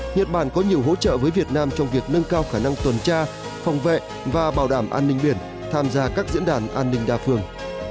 nhật bản có nhiều hỗ trợ với việt nam trong việc nâng cao khả năng tuần tra phòng vệ và bảo đảm an ninh biển tham gia các diễn đàn an ninh đa phương